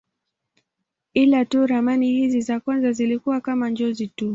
Ila tu ramani hizi za kwanza zilikuwa kama njozi tu.